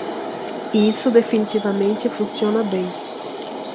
Isso definitivamente funciona bem.